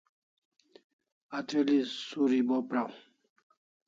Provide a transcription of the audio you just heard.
Atril'i suri bo praw